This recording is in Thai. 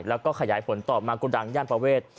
แล้วก็ขยายผลต่อมากุดังย่านประเวท